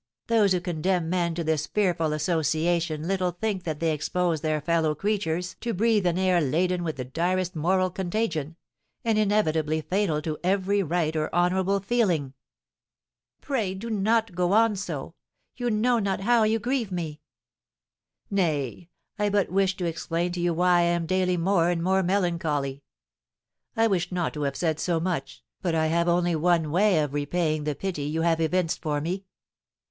those who condemn men to this fearful association little think that they expose their fellow creatures to breathe an air laden with the direst moral contagion, and inevitably fatal to every right or honourable feeling!" "Pray do not go on so! You know not how you grieve me!" "Nay, I but wished to explain to you why I am daily more and more melancholy. I wished not to have said so much, but I have only one way of repaying the pity you have evinced for me."